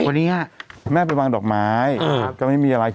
คุณแม่ไปวางดอกไม้ก็ไม่มีอะไร